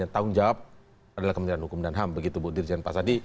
yang tanggung jawab adalah kementerian hukum dan ham begitu bu dirjen pasadi